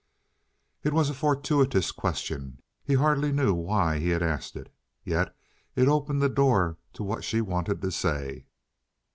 It was a fortuitous question. He hardly knew why he had asked it. Yet it opened the door to what she wanted to say.